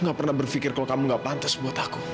enggak pernah berpikir kalau kamu enggak pantas buat aku